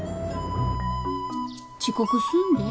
遅刻すんで。